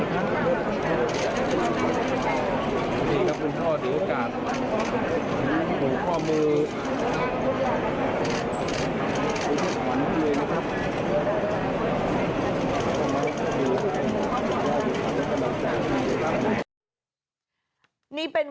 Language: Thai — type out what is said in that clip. นี่เป็นวินาทีที่ลูกชายจะกลับมาที่สนามบินสุวรรณภูมิ